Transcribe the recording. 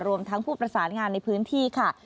รวมทั้งผู้ประสานงานในพื้นที่ค่ะ